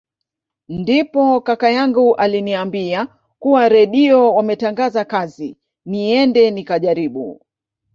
Ndipo kaka yangu aliniambia kuwa Redio wametangaza kazi niende nikajaribu